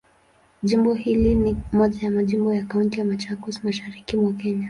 Jimbo hili ni moja ya majimbo ya Kaunti ya Machakos, Mashariki mwa Kenya.